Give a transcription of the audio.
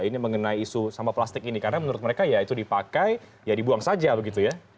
ini mengenai isu sampah plastik ini karena menurut mereka ya itu dipakai ya dibuang saja begitu ya